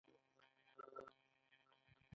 بازرسي یوه مهمه عملیه ده.